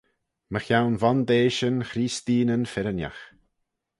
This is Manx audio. Mychione vondeishyn Chreesteenyn firrinagh.